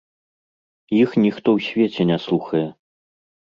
Іх ніхто ў свеце не слухае.